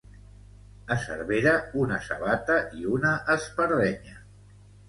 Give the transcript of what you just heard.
A Cervera, una sabata i una espardenya.